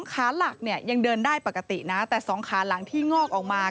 ขาหลักเนี่ยยังเดินได้ปกตินะแต่สองขาหลังที่งอกออกมา